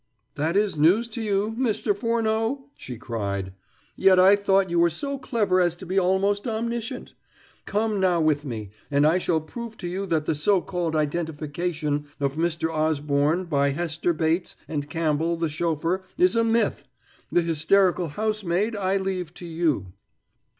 "That is news to you, Mr. Furneaux," she cried. "Yet I thought you were so clever as to be almost omniscient. Come now with me, and I shall prove to you that the so called identification of Mr. Osborne by Hester Bates and Campbell, the chauffeur, is a myth. The hysterical housemaid I leave to you."